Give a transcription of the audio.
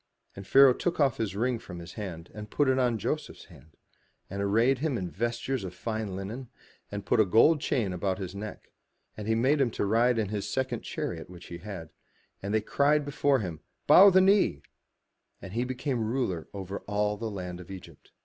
And Pharaoh took off his ring from his hand, and put it on Joseph's hand, and arrayed him in vestures of fine linen, and put a gold chain about his neck; and he made him to ride in his second chariot which he had; and they cried before him, "Bow the knee," and he made him ruler over all the land of Egypt.